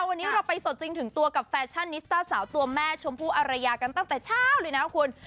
วันนี้เราไปสดจริงถึงตัวกับแฟชั่นนิสต้าสาวตัวแม่ชมพู่อารยากันตั้งแต่เช้าเลยนะคุณ